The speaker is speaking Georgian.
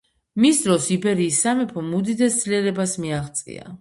მის დროს იბერიის სამეფომ უდიდეს ძლიერებას მიაღწია.